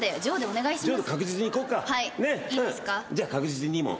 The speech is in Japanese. じゃあ確実に２文。